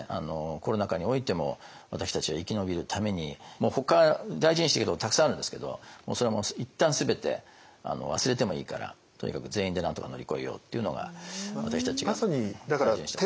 コロナ禍においても私たちが生き延びるためにもうほか大事にしてきたことたくさんあるんですけどそれはもう一旦全て忘れてもいいからとにかく全員でなんとか乗り越えようっていうのが私たちが大事にしてきたことです。